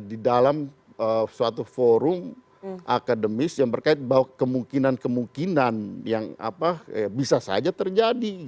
di dalam suatu forum akademis yang berkait bahwa kemungkinan kemungkinan yang bisa saja terjadi